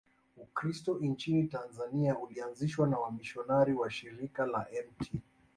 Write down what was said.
Ukristo nchini Tanzania ulianzishwa na wamisionari wa Shirika la Mt.